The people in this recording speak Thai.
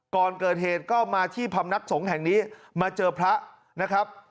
ก่อนเกิดเหตุก็มาที่พำนักสงฆ์แห่งนี้มาเจอพระนะครับ